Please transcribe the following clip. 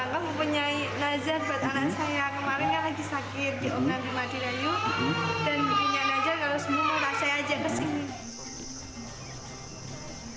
kemarin kan lagi sakit di omnang di madinah dan punya nazar kalau sembuh saya ajak ke sini